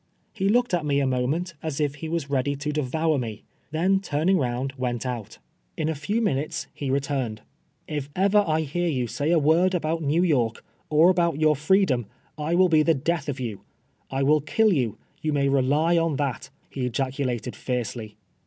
lie looked at me a moment as if he was ready to devour me, then turniiiLi: round went out. In a few ROBEKT, OF CIXCIXNATI. 61 inutos lie retiinu'd, '' If ever I licar you say a word about Xew York, or about your freedoui, I will be the death of you — I will kill you; you may rely on tliat," lie ejaculated fiercely.